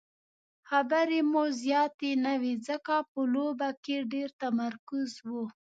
خبرې مو زیاتې نه وې ځکه په لوبه کې ډېر تمرکز وو.